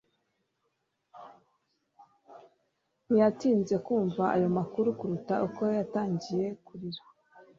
ntiyatinze kumva ayo makuru kuruta uko yatangiye kurira